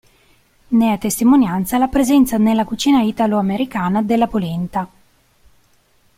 Ne è testimonianza la presenza nella cucina italoamericana della polenta.